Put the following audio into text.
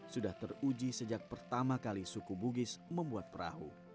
sudah teruji sejak pertama kali suku bugis membuat perahu